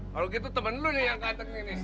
kalau gitu temen lu yang kanteng ini nih